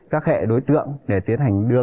các hệ đối tượng để tiến hành đưa